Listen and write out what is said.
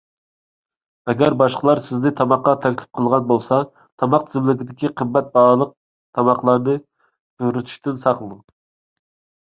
ئەگەر باشقىلار سىزنى تاماققا تەكلىپ قىلغان بولسا، تاماق تىزىملىكىدىكى قىممەت باھالىق تاماقلارنى بۇيرۇتۇشتىن ساقلىنىڭ.